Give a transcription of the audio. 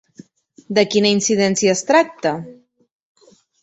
De quina incidència es tracta?